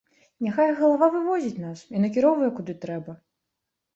Няхай іх галава выводзіць нас і накіроўвае, куды трэба.